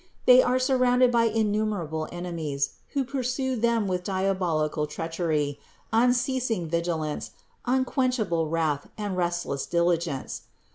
They are surrounded by innumerable enemies, who pursue them with diabolical treachery, un ceasing vigilance, unquenchable wrath and restless dili gence.